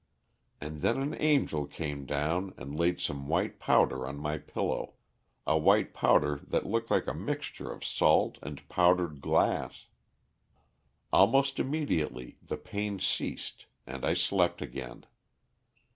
And then an angel came down and laid some white powder on my pillow, a white powder that looked like a mixture of salt and powdered glass. Almost immediately the pain ceased and I slept again.